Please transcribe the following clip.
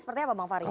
seperti apa bang fary